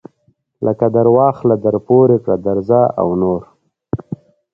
لکه درواخله درپورې کړه درځه او نور.